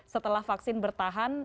setelah vaksin bertahan